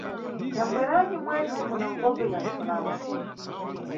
Thangweranyi mwentse muna nkhope za msunamo?